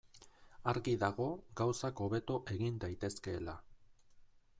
Argi dago gauzak hobeto egin daitezkeela.